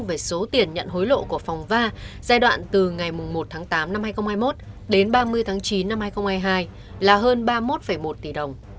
về số tiền nhận hối lộ của phòng va giai đoạn từ ngày một tháng tám năm hai nghìn hai mươi một đến ba mươi tháng chín năm hai nghìn hai mươi hai là hơn ba mươi một một tỷ đồng